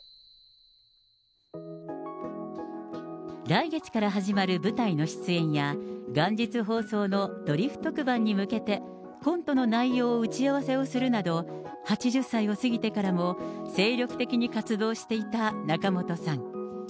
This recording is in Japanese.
来月から始まる舞台の出演や、元日放送のドリフ特番に向けて、コントの内容を打ち合わせするなど、８０歳を過ぎてからも、精力的に活動していた仲本さん。